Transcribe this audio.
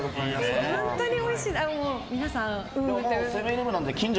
本当においしい！